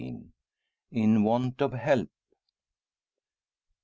IN WANT OF HELP.